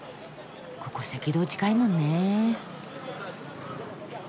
ここ赤道近いもんね。